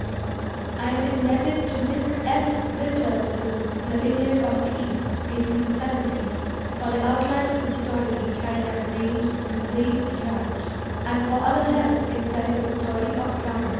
I am indebted to Miss F. Richardson's The Iliad of the East (1870) for the outline of the story which I have named The Great Drought, and for other help in telling the story of Rama.